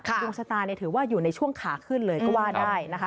ดวงชะตาถือว่าอยู่ในช่วงขาขึ้นเลยก็ว่าได้นะคะ